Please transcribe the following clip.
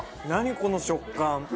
この食感。